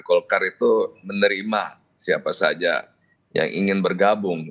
golkar itu menerima siapa saja yang ingin bergabung